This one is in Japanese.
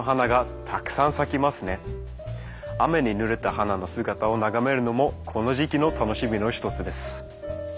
雨にぬれた花の姿を眺めるのもこの時期の楽しみの一つです。